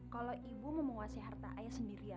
kalau ibu mau menguasai harta ayah sendirian